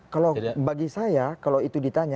kalau bagi saya kalau itu ditanya